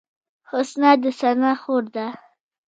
حسنا د ثنا خور ده